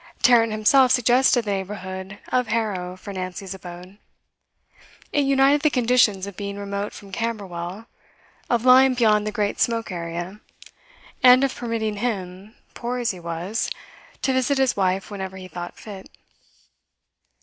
Tarrant himself suggested the neighbourhood of Harrow for Nancy's abode. It united the conditions of being remote from Camberwell, of lying beyond the great smoke area, and of permitting him, poor as he was, to visit his wife whenever he thought fit.